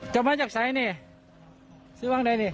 จะมาจากไซนี่ซื้อวางได้ดิ